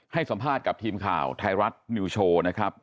ให้สัมภาษณ์กับทีมข่าวไทยรัฐนิวโชว์นะครับ